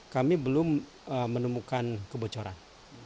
kami belum menemukan kebocoran